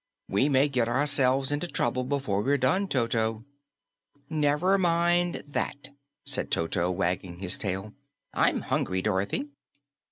We may get ourselves into trouble before we're done, Toto." "Never mind that," said Toto, wagging his tail. "I'm hungry, Dorothy."